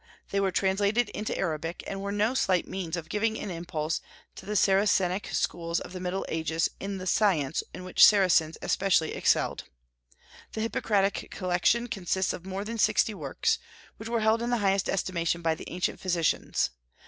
They were translated into Arabic, and were no slight means of giving an impulse to the Saracenic schools of the Middle Ages in that science in which the Saracens especially excelled. The Hippocratic collection consists of more than sixty works, which were held in the highest estimation by the ancient physicians.